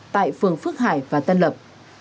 tại phường phước hải và tân lập